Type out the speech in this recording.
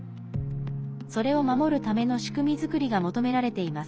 それを守るための仕組み作りが求められています。